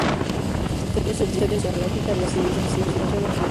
Estas historias subyacen a la lógica de la civilización occidental.